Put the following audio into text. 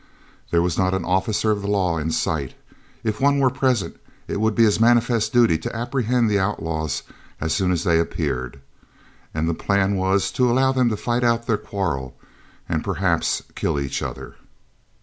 There was not an officer of the law in sight. If one were present it would be his manifest duty to apprehend the outlaws as soon as they appeared, and the plan was to allow them to fight out their quarrel and perhaps kill each other.